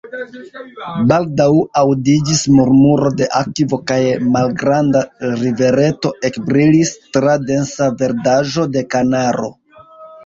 Baldaŭ aŭdiĝis murmuro de akvo, kaj malgranda rivereto ekbrilis tra densa verdaĵo de kanaro.